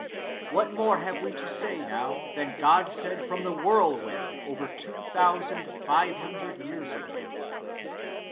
What more have we to say now than God said from the whirlwind over two thousand five hundred years ago?"